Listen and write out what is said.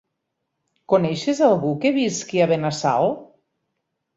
Coneixes algú que visqui a Benassal?